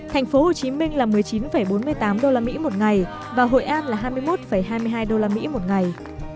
thành phố hồ chí minh là một mươi chín bốn mươi tám usd một ngày và hội an là hai mươi một hai mươi hai usd một ngày